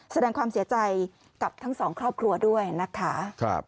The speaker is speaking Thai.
แสดงความเสียใจกับทั้งสองครอบครัวด้วยนะคะ